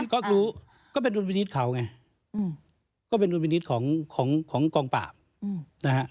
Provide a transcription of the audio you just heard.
ก็รู้ก็เป็นดุลพินิษฐ์เขาไงก็เป็นดุลพินิษฐ์ของกองปราบนะฮะ